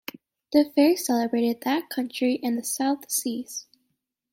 The fair celebrated that country and the South Seas.